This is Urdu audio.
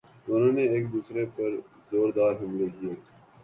دونوں نے ایک دوسرے پرزوردار حملہ کیا